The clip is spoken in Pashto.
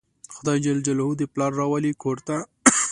خدای ج دې پلار راولي کور ته